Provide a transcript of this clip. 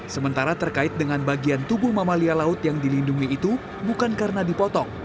sementara terkait dengan bagian tubuh mamalia laut yang dilindungi itu bukan karena dipotong